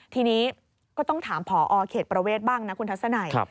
ทีนี้ก็ต้องถามผอเขตประเวทบ้างนะคุณทัศนัย